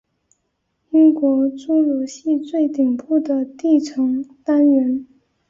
英国侏罗系最顶部的地层单元。